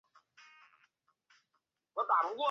腹蛇角鲨对人类来说并没有经济价值。